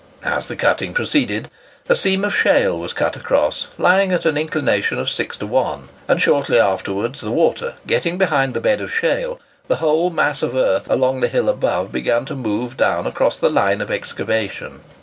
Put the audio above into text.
As the cutting proceeded, a seam of shale was cut across, lying at an inclination of 6 to 1; and shortly after, the water getting behind the bed of shale, the whole mass of earth along the hill above began to move down across the line of excavation.